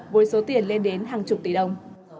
với số tiền lên đến hàng chục tỷ đồng